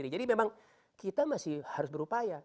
jadi memang kita masih harus berupaya